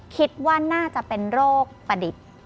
คิดว่าน่าจะเป็นโรคประดิษฐ์